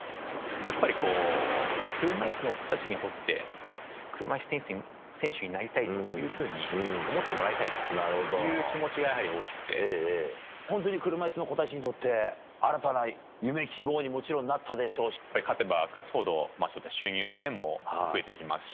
やっぱり、車いすの子たちにとって、車いすテニスの選手になりたいと思ってもらいたいという気持ちが本当に車いすの子たちにとって、新たな夢、勝てば勝つほど、そういった収入の面も増えていきますし。